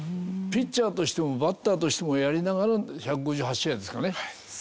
ピッチャーとしてもバッターとしてもやりながら１５８試合ですかね。